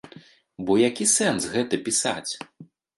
Бо які сэнс гэта пісаць?